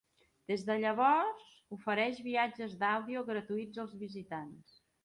Des de llavors, ofereix viatges d'àudio gratuïts als visitants.